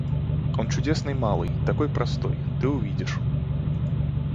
Он чудесный малый, такой простой - ты увидишь.